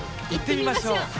いってみましょう！